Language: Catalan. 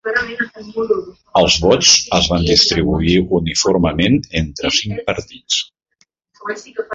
Els vots es van distribuir uniformement entre cinc partits.